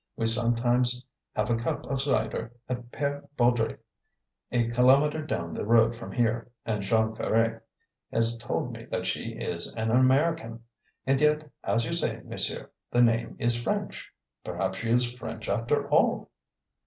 We sometimes have a cup of cider at Pere Baudry's, a kilometre down the road from here; and Jean Ferret has told me that she is an American. And yet, as you say, monsieur, the name is French. Perhaps she is French after all."